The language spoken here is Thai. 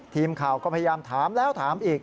ทีมข่าวก็พยายามถามแล้วถามอีก